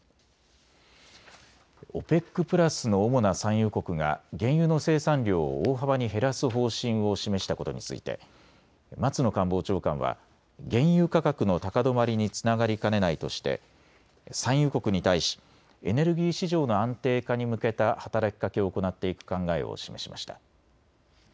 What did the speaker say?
ＯＰＥＣプラスの主な産油国が原油の生産量を大幅に減らす方針を示したことについて松野官房長官は原油価格の高止まりにつながりかねないとして産油国に対しエネルギー市場の安定化に向けた働きかけを行っていく考えを示しました。